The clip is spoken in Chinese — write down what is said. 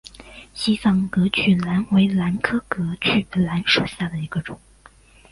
西藏隔距兰为兰科隔距兰属下的一个种。